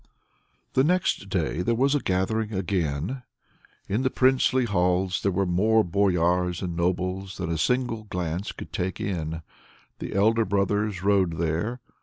The next day there was a gathering again. In the princely halls there were more boyars and nobles than a single glance could take in. The elder brothers rode there.